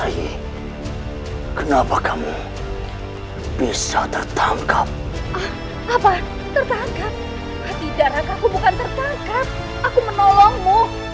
hai kenapa kamu bisa tertangkap apa tertangkap hati hati jarak aku bukan tertangkap aku menolongmu